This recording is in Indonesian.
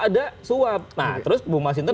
ada suap nah terus bung mas hinton